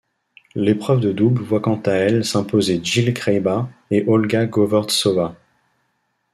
L'épreuve de double voit quant à elle s'imposer Jill Craybas et Olga Govortsova.